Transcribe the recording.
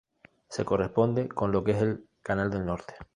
Se corresponde con lo que es el canal del Norte.